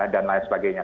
dan lain sebagainya